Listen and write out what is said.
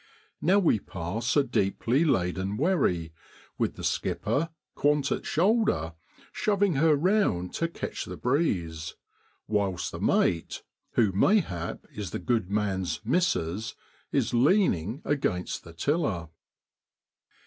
Now we pass a deeply laden wherry, with the skipper, quant at shoulder, shoving her round to catch the breeze, whilst the mate, who mayhap is the good man's ' missus,' is leaning against the tiller.